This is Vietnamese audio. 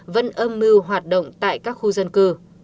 vẫn âm mưu hoạt động tại các khu dân cư